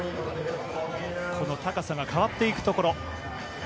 この高さが変わっていくところ。